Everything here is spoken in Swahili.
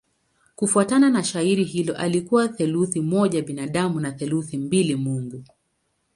Kufuatana na shairi hilo alikuwa theluthi moja binadamu na theluthi mbili mungu.